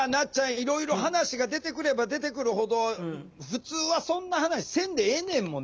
いろいろ話が出てくれば出てくるほど普通はそんな話せんでええねんもんね。